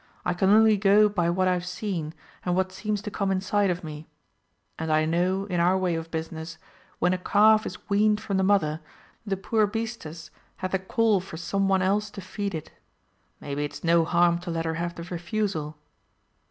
I can only go by what I have seen, and what seems to come inside of me. And I know, in our way of business, when a calf is weaned from the mother, the poor beastess hath a call for some one else to feed it. Maybe it's no harm to let her have the refusal."